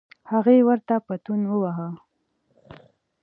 هغه ورته پتون وواهه.